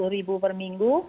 tiga puluh ribu perminggu